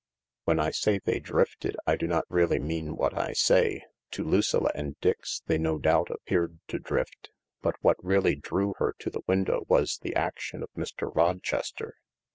When I say they drifted, I do not really mean what I say. To Lucilla and Dix they no doubt appeared to drift . But what really drew her to the window was the action of Mr. Rochester.